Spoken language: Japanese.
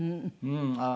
うん。